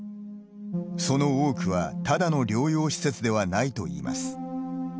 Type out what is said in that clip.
その多くは、ただの療養施設ではないといいます。